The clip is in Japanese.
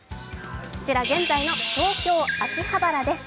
こちら、現在の東京・秋葉原です。